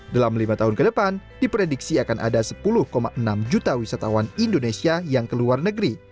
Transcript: dalam lima tahun ke depan diprediksi akan ada sepuluh enam juta wisatawan indonesia yang ke luar negeri